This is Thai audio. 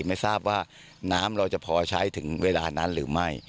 ไม่ทราบว่าน้ำเราจะพอใช้ถึงเวลานั้นหรือไม่